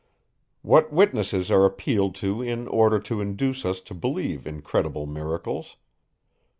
What witnesses are appealed to in order to induce us to believe incredible miracles?